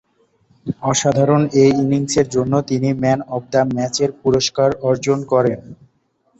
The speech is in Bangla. অসাধারণ এ ইনিংসের জন্যে তিনি ম্যান অব দ্য ম্যাচের পুরস্কার অর্জন করেন।